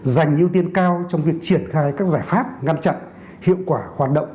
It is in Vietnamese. dành ưu tiên cao trong việc triển khai các giải pháp ngăn chặn hiệu quả hoạt động